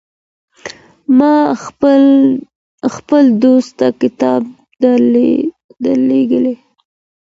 ما خپل دوست ته کتاب ډالۍ کړ.